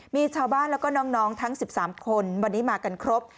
มีชาวบ้านแล้วก็น้องทั้ง๑๓คนวันนี้มากันครบ